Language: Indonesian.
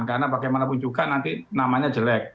karena bagaimanapun juga nanti namanya jelek